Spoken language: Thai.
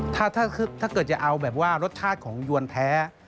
ถ้าเกิดจะเอาแบบว่ารสชาติของยวนแท้